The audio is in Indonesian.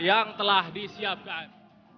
yang telah disiapkan